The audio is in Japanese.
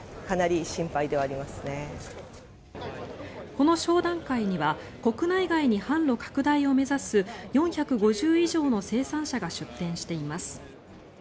この商談会には国内外に販路拡大を目指す４５０以上の生産者が出展しています。